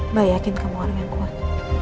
mbak yakin kamu orang yang kuat